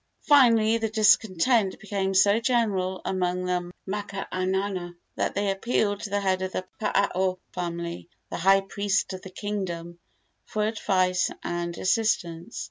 Finally the discontent became so general among the makaainana that they appealed to the head of the Paao family, the high priest of the kingdom, for advice and assistance.